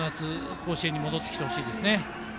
甲子園に戻ってきてほしいですね。